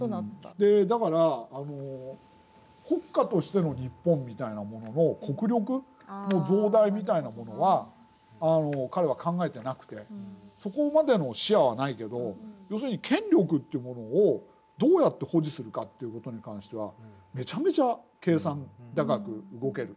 だから国家としての日本みたいなものの国力の増大みたいなものは彼は考えてなくてそこまでの視野はないけど要するに権力っていうものをどうやって保持するかっていう事に関してはめちゃめちゃ計算高く動ける。